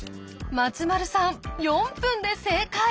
松丸さん４分で正解！